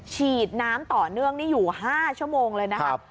ฉีดน้ำต่อเนื่องนี่อยู่๕ชั่วโมงเลยนะครับ